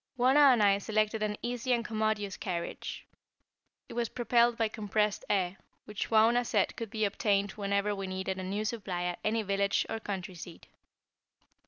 Wauna and I selected an easy and commodious carriage. It was propelled by compressed air, which Wauna said could be obtained whenever we needed a new supply at any village or country seat.